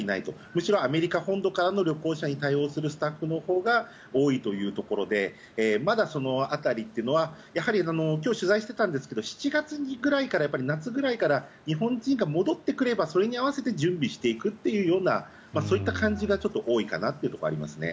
むしろアメリカ本土からの旅行者に対応するスタッフのほうが多いというところでまだその辺りというのは今日取材していたんですけど７月ぐらいから、夏ぐらいから日本人が戻ってくればそれに合わせて準備していくというようなそういった感じが多いかなというところがありますね。